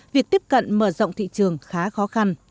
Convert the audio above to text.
việc tiếp cận mở rộng thị trường khá khó khăn